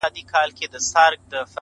په رڼا كي يې پر زړه ځانمرگى وسي;